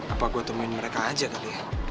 apa gue temuin mereka aja kali ya